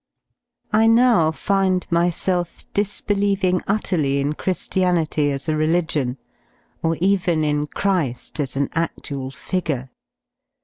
I now find myself disbelieving utterly in Chri^ianity as a religion, or even in Chri^ as an a(Slual figure.